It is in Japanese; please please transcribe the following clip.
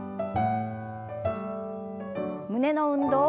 胸の運動。